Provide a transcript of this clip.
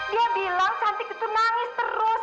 dia bilang cantik itu nangis terus